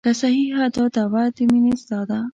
که صحیحه دا دعوه د مینې ستا ده.